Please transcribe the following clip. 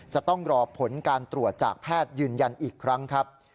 จะต้องรอผลการตรวจจากแพทย์ยืนยันอีกครั้งครับ